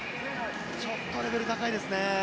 ちょっとレベルが高いですね。